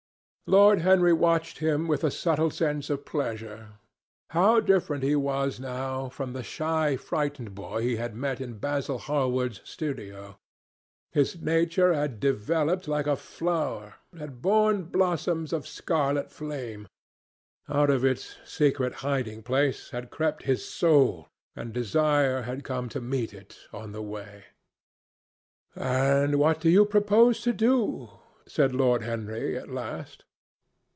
Lord Henry watched him with a subtle sense of pleasure. How different he was now from the shy frightened boy he had met in Basil Hallward's studio! His nature had developed like a flower, had borne blossoms of scarlet flame. Out of its secret hiding place had crept his soul, and desire had come to meet it on the way. "And what do you propose to do?" said Lord Henry at last.